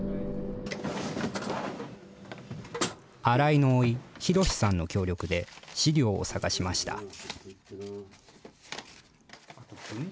新井のおい、博さんの協力で、資料を探しました。